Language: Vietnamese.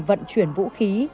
vận chuyển vũ khí